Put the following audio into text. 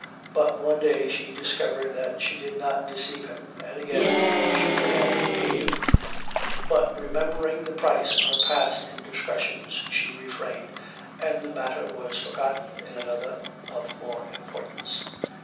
But one day she discovered that she could not deceive him, and again she began to hate him; but remembering the price of her past indiscretions she refrained, and the matter was forgotten in another of more importance.